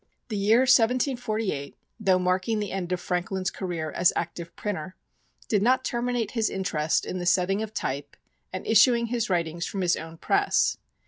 The year 1748, though marking the end of Franklin's career as active printer, did not terminate his interest in the setting of type and issuing his writings from his own press.